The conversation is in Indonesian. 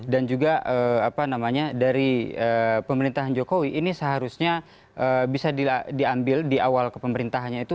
dan juga dari pemerintahan jokowi ini seharusnya bisa diambil di awal kepemerintahannya itu